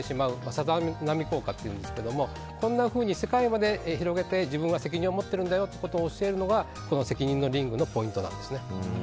さざ波効果っていうんですけどそんなふうに世界まで広げて自分は責任を持ってるんだよということはこの責任のリングのポイントなんですね。